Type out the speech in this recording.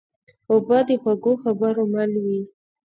اوبه د خوږو خبرو مل وي.